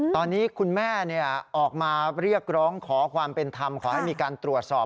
ตอนนี้คุณแม่ออกมาเรียกร้องขอความเป็นธรรมขอให้มีการตรวจสอบ